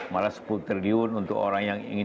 malah sepuluh triliun untuk orang yang ingin